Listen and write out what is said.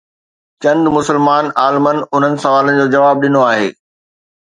چند مسلمان عالمن انهن سوالن جو جواب ڏنو آهي.